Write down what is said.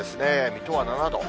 水戸は７度。